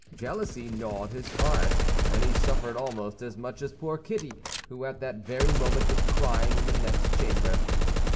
Jealousy gnawed his heart; and he suffered almost as much as poor Kitty, who at that very moment was crying in the next chamber.